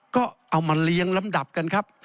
ก็เอามาเลี้ยงลำดับกันครับ